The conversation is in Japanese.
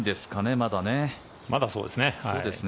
まだそうですね。